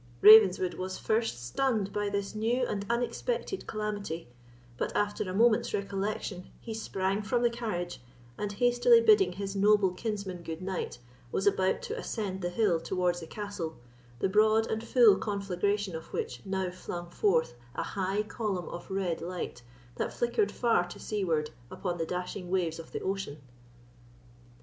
Ravenswood was first stunned by this new and unexpected calamity; but after a moment's recollection he sprang from the carriage, and hastily bidding his noble kinsman goodnight, was about to ascend the hill towards the castle, the broad and full conflagration of which now flung forth a high column of red light, that flickered far to seaward upon the dashing waves of the ocean.